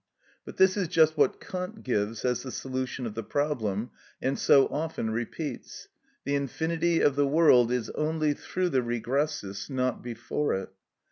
But this is just what Kant gives as the solution of the problem, and so often repeats: "The infinity of the world is only through the regressus, not before it."